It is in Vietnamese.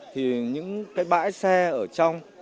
thì những cái bãi xe ở trong